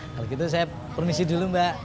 kalau gitu saya permisi dulu mbak